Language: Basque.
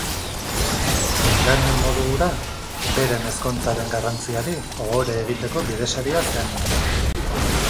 Engainu-modu hura beren ezkontzaren garrantziari ohore egiteko bidesaria zen.